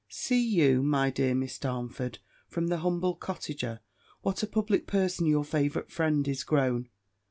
"See you, my dear Miss Darnford, from the humble cottager, what a public person your favourite friend is grown!